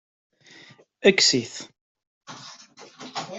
Axet!